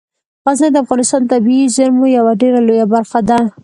غزني د افغانستان د طبیعي زیرمو یوه ډیره لویه برخه ده.